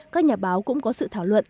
các nhà báo cũng có sự thảo luận